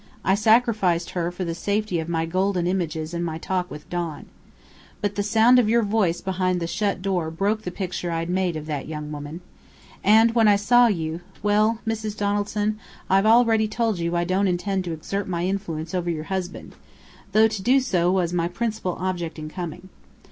I sacrificed her for the safety of my golden images and my talk with Don. But the sound of your voice behind the shut door broke the picture I'd made of that young woman. And when I saw you well, Mrs. Donaldson, I've already told you I don't intend to exert my influence over your husband, though to do so was my principal object in coming.